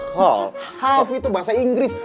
half itu bahasa inggris